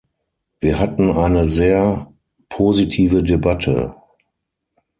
Wir hatten eine sehr positive Debatte.